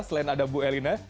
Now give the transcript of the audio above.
selain ada bu elina